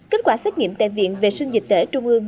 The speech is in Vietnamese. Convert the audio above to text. kết quả xét nghiệm tại viện vệ sinh dịch tễ trung ương